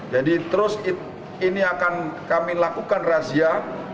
jadi terus ini akan kami lakukan razia